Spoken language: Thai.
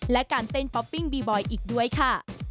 และการเต้นป๊อปปิ้งบีบอยอีกด้วยค่ะ